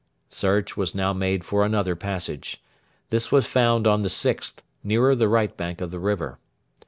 Search was now made for another passage. This was found on the 6th, nearer the right bank of the river.